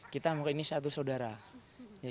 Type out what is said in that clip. kita ini satu sodara